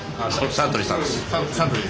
サントリーです。